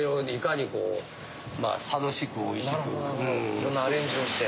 いろんなアレンジをして。